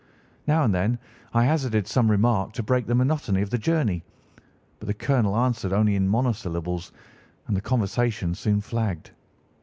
Now and then I hazarded some remark to break the monotony of the journey, but the colonel answered only in monosyllables, and the conversation soon flagged.